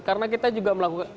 karena kita juga melakukan